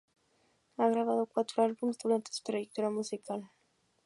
Ha grabado cuatro álbumes durante su trayectoria musical.